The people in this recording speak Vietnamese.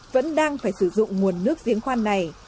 vẫn đang phải sử dụng nguồn nước diễn khoan này